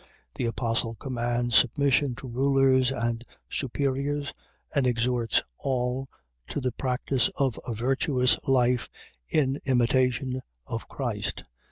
The Apostle commands submission to rulers and superiors and exhorts all to the practice of a virtuous life in imitation, of Christ.